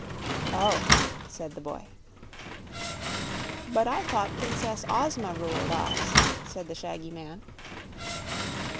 "Oh," said the boy. "But I thought Princess Ozma ruled Oz," said the shaggy man.